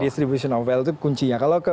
distribution of wealth itu kuncinya kalau ke